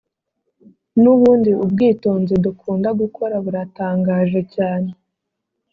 nubundi ubwitonzi dukunda gukora buratangaje cyane ............